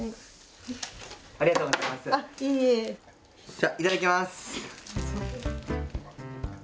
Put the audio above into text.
じゃあいただきます！